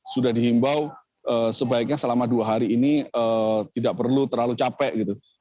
sudah dihimbau sebaiknya selama dua hari ini tidak perlu terlalu capek gitu